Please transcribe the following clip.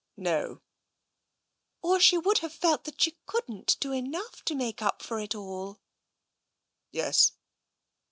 " No." " Or she would have felt that she couldn't do enough to make up for it all." '' Yes."